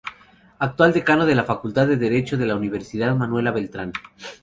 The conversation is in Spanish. Actual Decano de la Facultad de Derecho de la Universidad Manuela Beltrán.